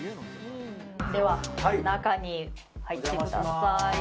では、中に入ってください。